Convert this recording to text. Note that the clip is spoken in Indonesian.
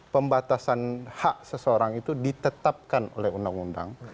pembatasan hak seseorang itu ditetapkan oleh undang undang